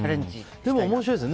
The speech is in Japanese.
でも面白いですよね。